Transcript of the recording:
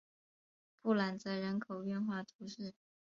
布朗泽人口变化图示